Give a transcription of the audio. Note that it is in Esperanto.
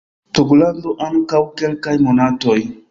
Togolando antaŭ kelkaj monatoj